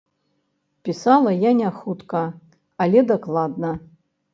Пісала я няхутка, але дакладна.